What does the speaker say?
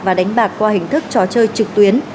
và đánh bạc qua hình thức trò chơi trực tuyến